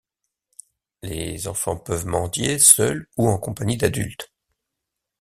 Les enfants peuvent mendier, seuls ou en compagnie d’adultes.